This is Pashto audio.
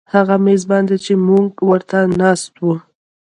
هغه میز باندې چې موږ ورته ناست وو